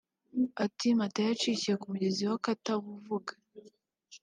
Ati “Amatiyo yacikiye ku mugezi wa Katabuvuga